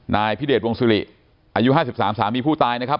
นายพิเดชวงศิริอายุ๕๓สามีผู้ตายนะครับ